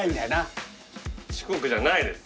四国じゃないです。